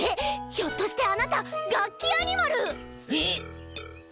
ひょっとしてあなたガッキアニマル⁉えっ！